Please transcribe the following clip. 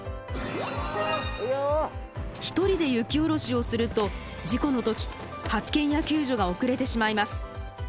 １人で雪おろしをすると事故の時発見や救助が遅れてしまいます。